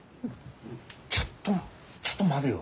ちょっとちょっと待でよ。